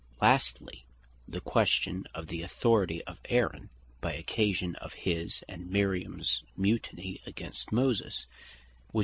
Lastly, the question of the Authority of Aaron, by occasion of his and Miriams mutiny against Moses, was (Numbers 12.)